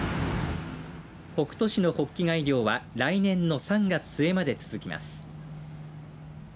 北斗市のホッキ貝漁は来年の３月末まで続きます。